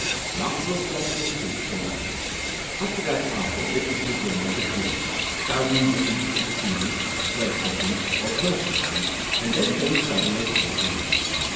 But after a quarter to two he had vanished. Up to that hour witnesses were multitudinous. Dozens of people had seen him, fled from him or pursued him, and then things suddenly came to an end.